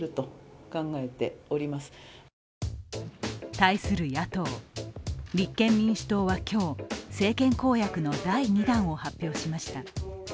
対する野党、立憲民主党は今日政権公約の第２弾を発表しました。